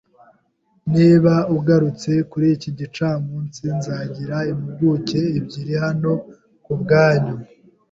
Niba ugarutse kuri iki gicamunsi, nzagira impuguke ebyiri hano kubwanyu.